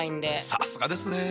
さすがですね。